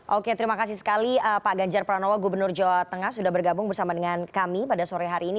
oke terima kasih sekali pak ganjar pranowo gubernur jawa tengah sudah bergabung bersama dengan kami pada sore hari ini